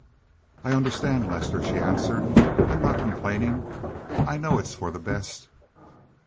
"I understand, Lester," she answered. "I'm not complaining. I know it's for the best."